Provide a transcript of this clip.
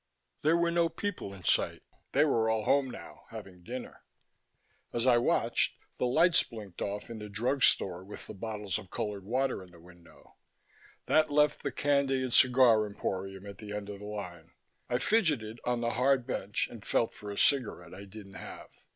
There were no people in sight; they were all home now, having dinner. As I watched, the lights blinked off in the drug store with the bottles of colored water in the window; the left the candy and cigar emporium at the end of the line. I fidgeted on the hard bench and felt for a cigarette I didn't have.